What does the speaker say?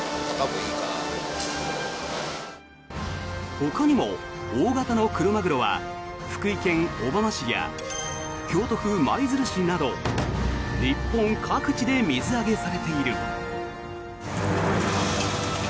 ほかにも大型のクロマグロは福井県小浜市や京都府舞鶴市など日本各地で水揚げされている。